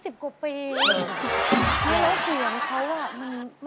ที่พอจับกีต้าร์ปุ๊บ